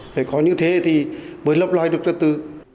thế có như thế thì mới lấp loay được rất tư